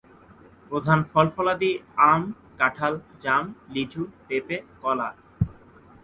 প্রধান ফল-ফলাদি: আম, কাঁঠাল, জাম, লিচু, পেঁপে, কলা।